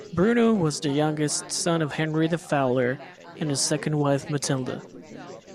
Bruno was the youngest son of Henry the Fowler and his second wife Matilda.